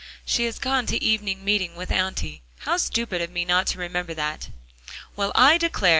"She has gone to evening meeting with Auntie. How stupid of me not to remember that." "Well, I declare!"